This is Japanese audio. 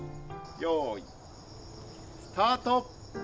よーい、スタート！